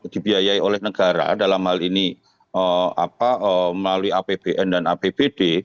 dibiayai oleh negara dalam hal ini melalui apbn dan apbd